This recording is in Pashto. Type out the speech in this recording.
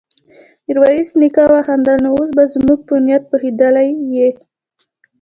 ميرويس نيکه وخندل: نو اوس به زموږ په نيت پوهېدلی يې؟